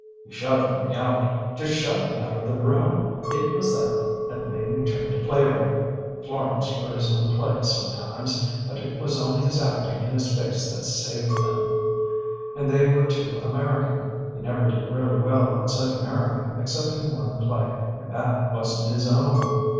"He shoved me out just shoved me out of the room.... It was that that made me turn to play writing. Florance wrote his own plays sometimes, but it was only his acting and his face that saved them. And they were too American. He never did really well outside America except in one play, and that wasn't his own.